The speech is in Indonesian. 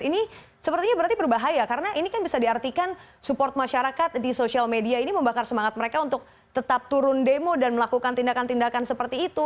ini sepertinya berarti berbahaya karena ini kan bisa diartikan support masyarakat di sosial media ini membakar semangat mereka untuk tetap turun demo dan melakukan tindakan tindakan seperti itu